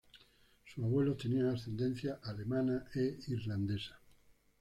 Sus abuelos tenían ascendencia alemana e irlandesa.